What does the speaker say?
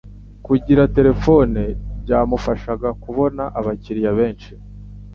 Kugira terefone byamufashaga kubona abakiriya benshi.